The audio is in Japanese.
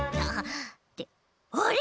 ってあれ！？